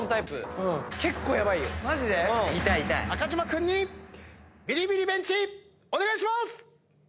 君にビリビリベンチお願いします！